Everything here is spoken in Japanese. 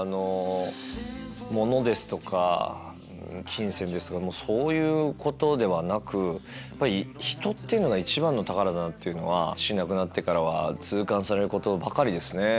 物ですとか金銭ですとかそういうことではなく人が一番の宝だっていうのは父亡くなってからは痛感されることばかりですね。